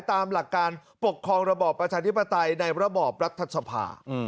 ตามหลักการปกครองระบอบประชาธิปไตยในระบอบรัฐสภา